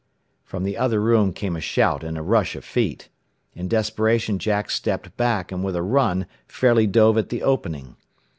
From the other room came a shout and a rush of feet. In desperation Jack stepped back, and with a run fairly dove at the opening.